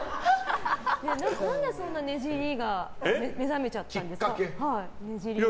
何で、そんなにねじりに目覚めちゃったんですか？